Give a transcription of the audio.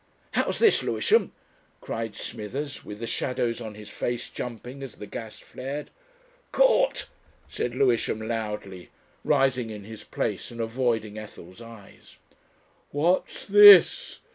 "How's this, Lewisham?" cried Smithers, with the shadows on his face jumping as the gas flared. "Caught!" said Lewisham loudly, rising in his place and avoiding Ethel's eyes. "What's this?"